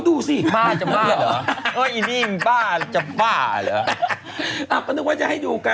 ดีไงดีใช่ไหมฟังแรง